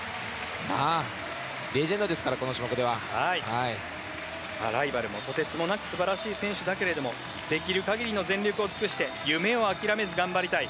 まあ、レジェンドですからこの種目では。ライバルもとてつもなく素晴らしい選手だができる限りの全力を尽くして夢を諦めず頑張りたい。